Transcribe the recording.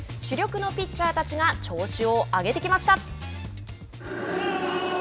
主力のピッチャーたちが調子を上げてきました。